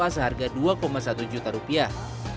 seharga dua satu juta rupiah